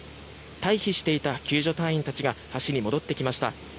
退避していた救助隊員たちが橋に戻ってきました。